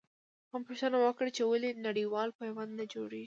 ما پوښتنه وکړه چې ولې نړېوال پیوند نه جوړوي.